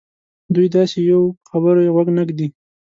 دوی داسې یوو په خبرو یې غوږ نه ږدي.